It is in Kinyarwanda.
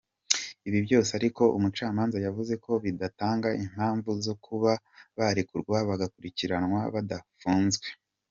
Ibi byose ariko umucamanza yavuze ko bidatanga impamvu zo kuba barekurwa bagakurikiranwa badafunze.